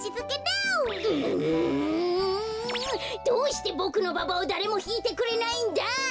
どうしてボクのババをだれもひいてくれないんだ！